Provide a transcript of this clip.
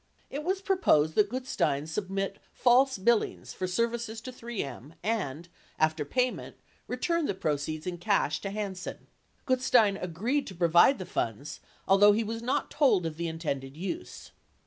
It was proposed that Gutstein submit false billings for services to 3M and, after payment, return the proceeds in cash to Hansen. Gutstein agreed to provide the funds, although he was not told of the intended use.